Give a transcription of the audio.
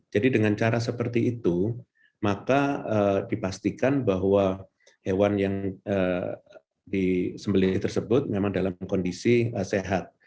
jadi dengan cara seperti itu maka dipastikan bahwa hewan yang disembelih tersebut memang dalam kondisi sehat